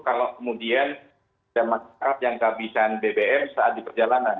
kalau kemudian demikian yang kehabisan bbm saat diperjalanan